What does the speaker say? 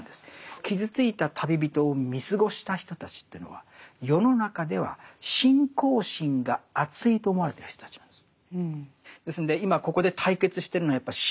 傷ついた旅人を見過ごした人たちというのは世の中では信仰心があついと思われてる人たちなんです。